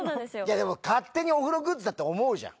でも勝手にお風呂グッズだって思うじゃん。